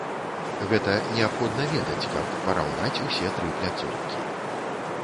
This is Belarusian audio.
Гэта неабходна ведаць, каб параўнаць усе тры пляцоўкі.